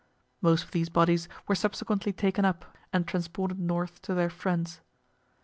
(Most of these bodies were subsequently taken up and transported north to their friends.)